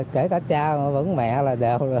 kể cả cha vẫn mẹ là đều